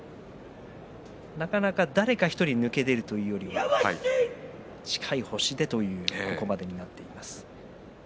誰か１人抜け出るというよりも近い星でというここまでになっています。